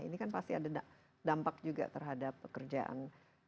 ini kan pasti ada dampak juga terhadap pekerjaan